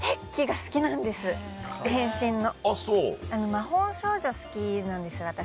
魔法少女好きなんです私。